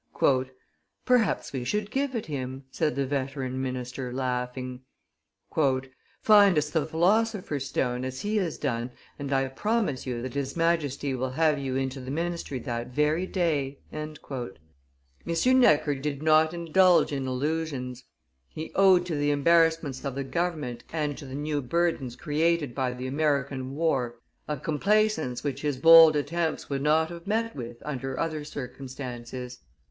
"Perhaps we should give it him," said the veteran minister, laughing. "Find us the philosopher's stone, as he has done, and I promise you that his Majesty will have you into the ministry that very day." M. Necker did not indulge in illusions, he owed to the embarrassments of the government and to the new burdens created by the American war a complaisance which his bold attempts would not have met with under other circumstances.